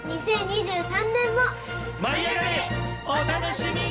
お楽しみに！